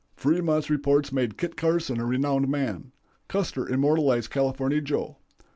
Fremont's reports made Kit Carson a renowned man. Custer immortalized California Joe.